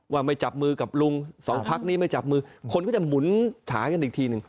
ว่ามันมิจับมือกับลุง๒พลักษณ์มิจับมือคนก็จะหมุนฉากันอีกที